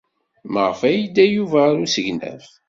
Maɣef ay yedda Yuba ɣer usegnaf?